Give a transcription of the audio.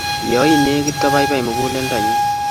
ya I negit ko pai pai muguleldo nyu